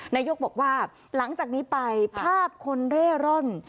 นายกบอกว่าหลังจากนี้ไปภาพคนเร่ร่อน